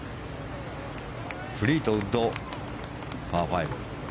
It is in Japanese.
フリートウッド、パー５。